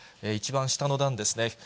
一番下の段ですね。